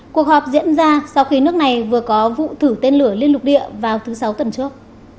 cuộc họp diễn ra sau khi nước này vừa có vụ thử tên lửa liên lục địa vào thứ sáu tuần trước